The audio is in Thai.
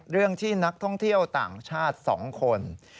เรื่องที่นักท่องเที่ยวต่างชาติ๒คน